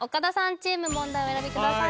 チーム問題をお選びください